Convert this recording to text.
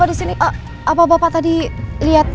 ah gingingleu karena morrasah alrighta aja